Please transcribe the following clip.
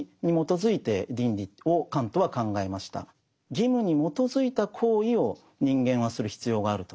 義務に基づいた行為を人間はする必要があると。